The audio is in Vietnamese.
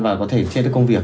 và có thể chê được công việc